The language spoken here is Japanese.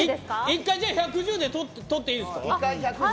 １回、１１０でとっていいですか。